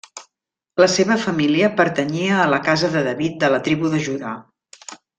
La seva família pertanyia a la Casa de David de la tribu de Judà.